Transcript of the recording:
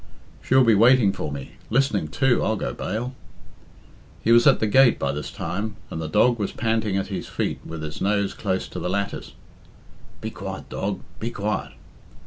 "She'll be waiting for me. Listening, too, I'll go bail." He was at the gate by this time, and the dog was panting at his feet with its nose close to the lattice. "Be quiet, dog, be quiet."